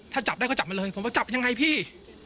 ถ้าจับได้ก็จับมาเลยผมว่าจับยังไงพี่